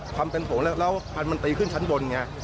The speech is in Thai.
ความเป็นโถงแล้วปันมันตีขึ้นชั้นบนไง